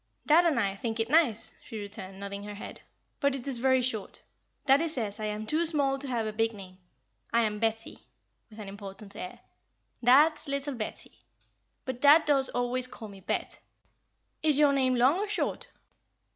"Dad and I think it nice," she returned, nodding her head; "but it is very short. Daddie says I am too small to have a big name. I am Betty," with an important air. "Dad's little Betty. But dad does always call me Bet. Is your name long or short?"